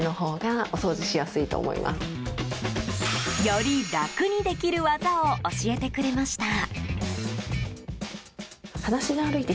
より楽にできる技を教えてくれました。